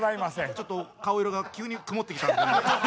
ちょっと顔色が急に曇ってきたんで。